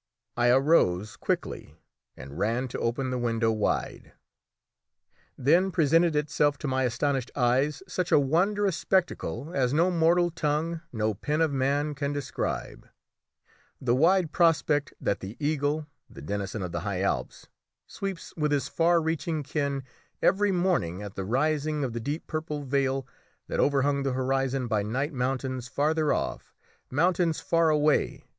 I arose quickly and ran to open the window wide. Then presented itself to my astonished eyes such a wondrous spectacle as no mortal tongue, no pen of man, can describe the wide prospect that the eagle, the denizen of the high Alps, sweeps with his far reaching ken every morning at the rising of the deep purple veil that overhung the horizon by night mountains farther off! mountains far away!